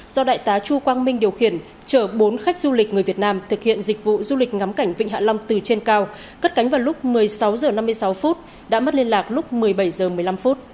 do đại tá chu quang minh điều khiển chở bốn khách du lịch người việt nam thực hiện dịch vụ du lịch ngắm cảnh vịnh hạ long từ trên cao cất cánh vào lúc một mươi sáu h năm mươi sáu phút đã mất liên lạc lúc một mươi bảy h một mươi năm